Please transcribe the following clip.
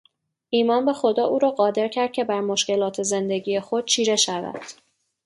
ایمان به خدا او را قادر کرد که بر مشکلات زندگی خود چیره شود.